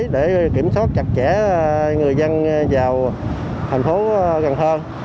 để kiểm soát chặt chẽ người dân vào thành phố cần thơ